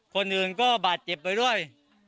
คนอื่นก็บาดเจ็บไปด้วย